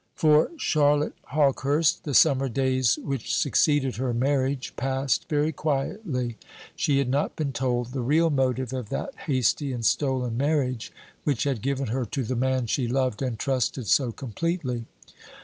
For Charlotte Hawkehurst the summer days which succeeded her marriage passed very quietly. She had not been told the real motive of that hasty and stolen marriage which had given her to the man she loved and trusted so completely.